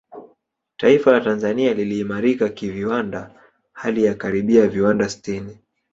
Taifa la Tanzania liliimarika kiviwanda hali ya karibia viwanda sitini